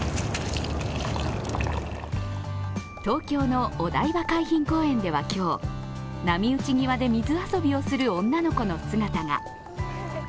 東京のお台場海浜公園では今日、波打ち際で水遊びをする女の子の姿が。